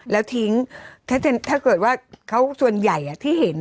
แล้วทิ้งถ้าเค้าส่วนใหญ่ที่เห็น